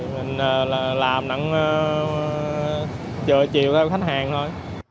mình làm nặng chờ chiều cho khách hàng thôi